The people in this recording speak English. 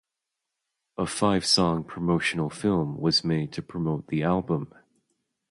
A five-song promotional film was made to promote the album.